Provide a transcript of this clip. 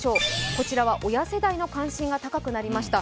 こちらは親世代の関心が高くなりました。